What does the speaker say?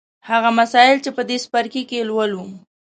هغه مسایل چې په دې څپرکي کې یې لولو